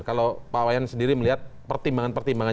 kalau pak iwayan sendiri melihat pertimbangan pak iwayan